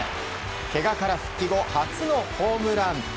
けがから復帰後、初のホームラン。